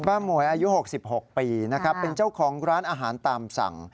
ป้าหมวยอายุ๖๖ปีเป็นเจ้าของร้านอาหารตามสั่ง